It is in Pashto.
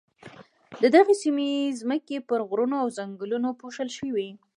د دغې سیمې ځمکې پر غرونو او ځنګلونو پوښل شوې.